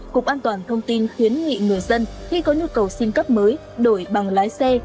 cục an toàn thông tin khuyến nghị người dân khi có nhu cầu xin cấp mới đổi bằng lái xe